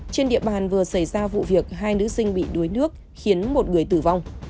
trên địa bàn vừa xảy ra vụ việc hai nữ sinh bị đuối nước khiến một người tử vong